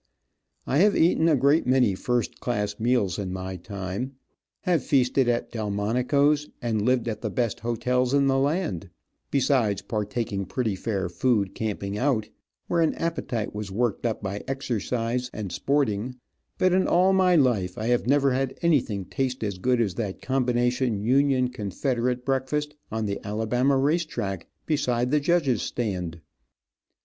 I have eaten a great many first class meals in my time, have feasted at Delmonico's, and lived at the best hotels in the land, besides partaking pretty fair food camping out, where an appetite was worked up by exercise and sporting, but in all my life I have never had anything taste as good as that combination Union Confederate breakfast on the Alabama race track, beside the judges stand.